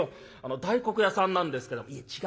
大黒屋さんなんですけどいえ違うんです。